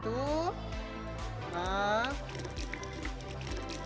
dan juga memperhatikan kondisi kesehatan